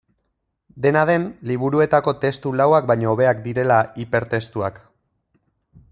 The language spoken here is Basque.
Dena den, liburuetako testu lauak baino hobeak direla hipertestuak.